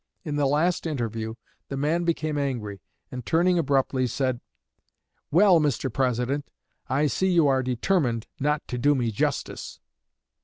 In the last interview, the man became angry, and turning abruptly said: "Well, Mr. President, I see you are determined not to do me justice!"